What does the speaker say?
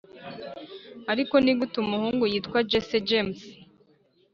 ariko nigute umuhungu witwa jesse james